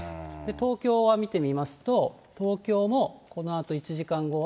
東京は見てみますと、東京もこのあと１時間後は。